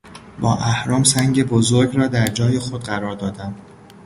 با اهرم سنگ بزرگ را در جای خود قرار دادم.